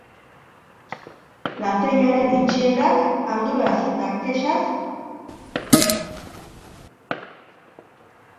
Lantegiaren itxierak arduraz eta kezkax bete zituen auzotarrak.